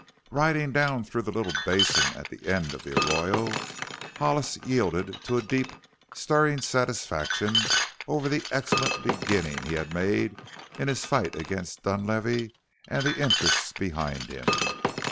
Riding down through the little basin at the end of the arroyo Hollis yielded to a deep, stirring satisfaction over the excellent beginning he had made in his fight against Dunlavey and the interests behind him.